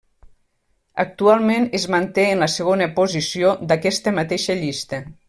Actualment es manté en la segona posició d'aquesta mateixa llista.